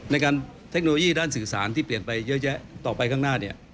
เทคโนโลยีด้านสื่อสารที่เปลี่ยนไปเยอะแยะต่อไปข้างหน้าเนี่ย